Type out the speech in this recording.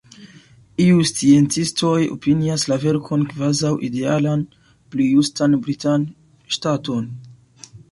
Iuj sciencistoj opinias la verkon kvazaŭ idealan, pli justan britan ŝtaton.